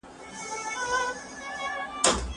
هغه وویل چې مسواک وهل د سنتو د ژوندي کولو غوره لاره ده.